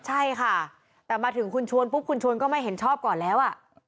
ใช่ค่ะแต่มาถึงคุณชวนปุ๊บคุณชวนก็ไม่เห็นชอบก่อนแล้ว